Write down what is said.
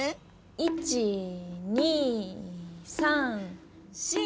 １２３４。